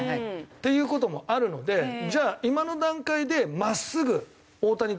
っていう事もあるのでじゃあ今の段階でまっすぐ大谷投手と比べます。